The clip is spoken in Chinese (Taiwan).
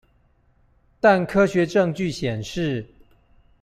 但科學證據顯示